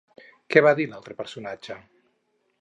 Què va dir l'altre personatge?